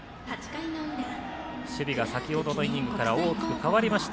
守備が先ほどのイニングから大きく変わりました。